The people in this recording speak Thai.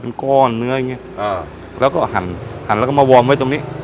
เป็นก้อนเนื้ออย่างเงี้แล้วก็หั่นหั่นแล้วก็มาวอร์มไว้ตรงนี้